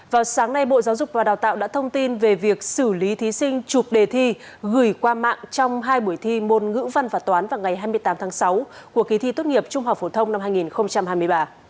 vào sáng nay bộ giáo dục và đào tạo đã thông tin về việc xử lý thí sinh chụp đề thi gửi qua mạng trong hai buổi thi môn ngữ văn và toán vào ngày hai mươi tám tháng sáu của kỳ thi tốt nghiệp trung học phổ thông năm hai nghìn hai mươi ba